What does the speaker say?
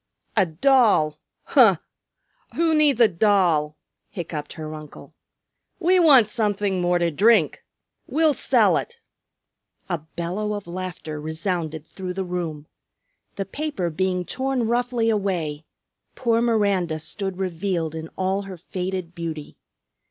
"A doll! Huh! Who needs a doll?" hiccoughed her uncle. "We want something more to drink. We'll sell it " A bellow of laughter resounded through the room. The paper being torn roughly away, poor Miranda stood revealed in all her faded beauty.